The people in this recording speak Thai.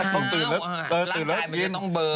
ตื่นแล้วติดก็ต้องเบิร์น